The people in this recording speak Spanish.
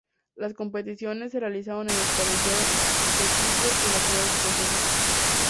Las competiciones se realizaron en el pabellón The Hydro de la ciudad escocesa.